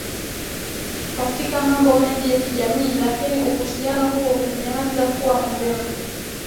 katika mambo mengi ya kijamii lakini uhusiano huo umeanza kuwa mgumu